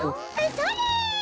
それ！